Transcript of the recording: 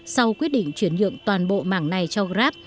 sau quyết định chuyển nhượng toàn bộ mảng này cho grab